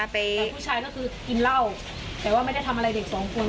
แต่ผู้ชายก็คือกินเหล้าแต่ว่าไม่ได้ทำอะไรเด็กสองคน